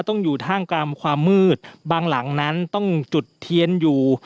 ต้องอยู่ท่ามกลางความมืดบางหลังนั้นต้องจุดเทียนอยู่